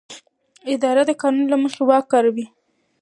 اداره د قانون له مخې واک کاروي.